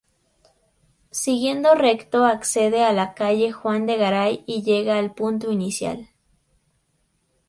Siguiendo recto accede a la Calle Juan de Garay y llega al punto inicial.